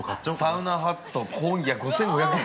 ◆サウナハットいや、５５００円。